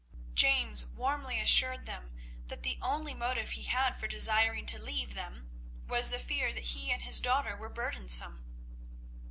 James warmly assured them that the only motive he had for desiring to leave them was the fear that he and his daughter were burdensome.